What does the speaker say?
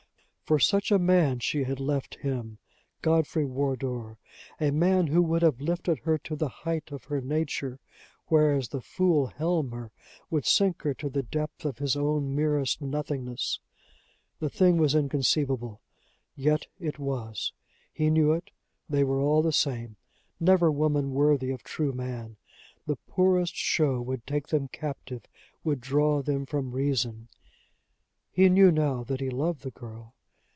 For such a man she had left him, Godfrey Wardour! a man who would have lifted her to the height of her nature! whereas the fool Helmer would sink her to the depth of his own merest nothingness! The thing was inconceivable! yet it was! He knew it; they were all the same! Never woman worthy of true man! The poorest show would take them captive, would draw them from reason! He knew now that he loved the girl.